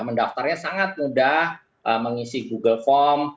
mendaftarnya sangat mudah mengisi google form